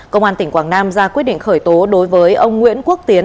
công an tỉnh quảng nam ra quyết định khởi tố đối với ông nguyễn quốc tiến